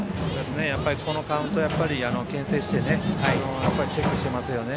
このカウントはけん制してチェックしてますよね